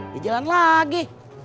dia jalan lagi